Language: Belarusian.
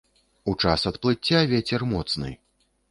У час адплыцця вецер моцны.